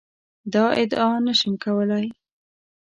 دا ادعا نه شم کولای.